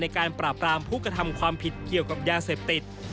การปราบรามผู้กระทำความผิดเกี่ยวกับยาเสพติด